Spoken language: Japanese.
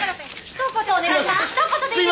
ひと言お願いします。